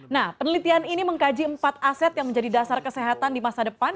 nah penelitian ini mengkaji empat aset yang menjadi dasar kesehatan di masa depan